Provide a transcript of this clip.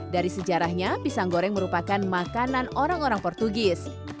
dari sejarahnya pisang goreng merupakan makanan orang orang portugis